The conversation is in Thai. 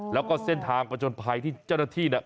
แล้วก็เส้นทางประจนภัยที่เจ้าหน้าที่เนี่ย